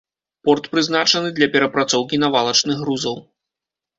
Порт прызначаны для перапрацоўкі навалачных грузаў.